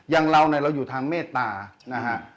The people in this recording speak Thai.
อย่างเราเนี่ยเราอยู่ทางเมตตานะฮะ